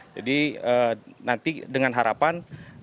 jadi nanti dengan harapan